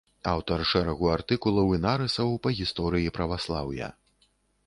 Аўтар шэрагу артыкулаў і нарысаў па гісторыі праваслаўя.